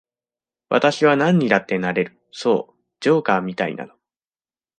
私はなんにだってなれる、そう、ジョーカーみたいなの。